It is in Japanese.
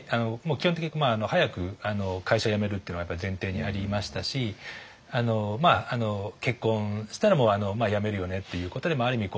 基本的に早く会社を辞めるっていうのが前提にありましたし結婚したら辞めるよねっていうことである意味